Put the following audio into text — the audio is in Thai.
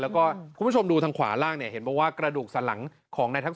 แล้วก็คุณผู้ชมดูทางขวาล่าง